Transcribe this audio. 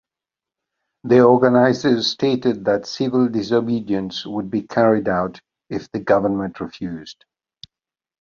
The organisers stated that civil disobedience would be carried out if the government refused.